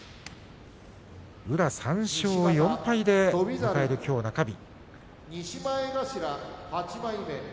宇良は３勝４敗で迎える中日。